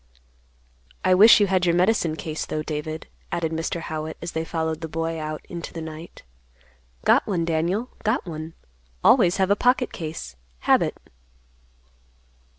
"I wish you had your medicine case, though, David," added Mr. Howitt, as they followed the boy out into the night. "Got one, Daniel; got one. Always have a pocket case; habit."